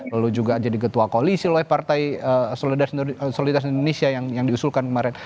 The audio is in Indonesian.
lalu juga jadi ketua koalisi oleh partai soliditas indonesia yang diusulkan kemarin